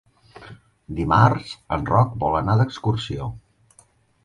Dimarts en Roc vol anar d'excursió.